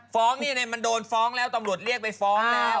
ฟ้องนี่มันโดนฟ้องแล้วตำรวจเรียกไปฟ้องแล้ว